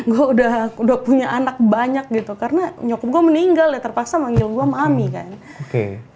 gue udah punya anak banyak gitu karena nyokop gue meninggal ya terpaksa manggil gue mami kan